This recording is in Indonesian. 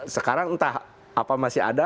sekarang entah apa masih ada